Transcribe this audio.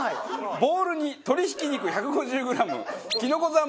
ボウルに鶏ひき肉１５０グラムきのこ三昧